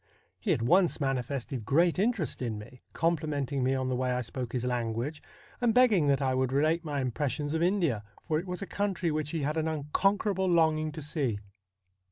He at once manifested great interest in me ; complimenting me on the way I spoke his language, and begging that I would relate my impressions of India, for it was a country which he had an unconquerable longing to see.